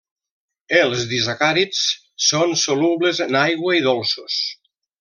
Els disacàrids són solubles en aigua i dolços.